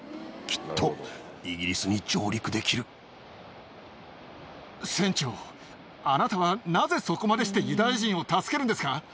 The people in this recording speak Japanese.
きっとイギリスに船長、あなたはなぜそこまでしてユダヤ人を助けるんですか。